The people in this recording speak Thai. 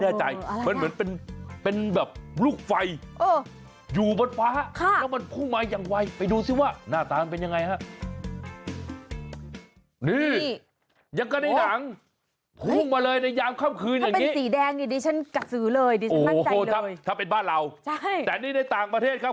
ดีฉันมั่นใจเลยโอ้โหถ้าเป็นบ้านเราใช่แต่นี่ในต่างประเทศครับ